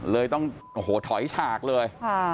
เลยต้องถอยฉากเลย